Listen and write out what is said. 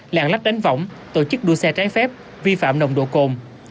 lạng lách đánh võng tổ chức đua xe trái phép vi phạm nồng độ cồn